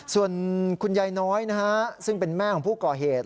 ส่วนคุณยายน้อยนะฮะซึ่งเป็นแม่ของผู้ก่อเหตุ